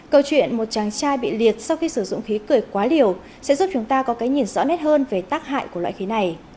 câu chuyện một chàng trai bị liệt sau khi sử dụng khí cười quá liều sẽ giúp chúng ta có cái nhìn rõ nét hơn về tác hại của loại khí này